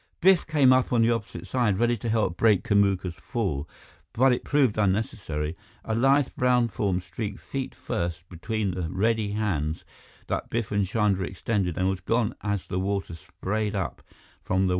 Biff came up on the opposite side, ready to help break Kamuka's fall, but it proved unnecessary. A lithe brown form streaked feet first between the ready hands that Biff and Chandra extended and was gone as the water sprayed up from the well.